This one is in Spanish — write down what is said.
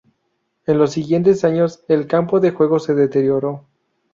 En los siguientes años el campo de juego se deterioró.